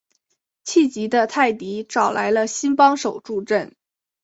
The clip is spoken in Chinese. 气急的泰迪找来了新帮手助阵。